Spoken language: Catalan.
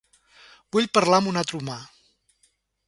Vull parlar amb un altre humà.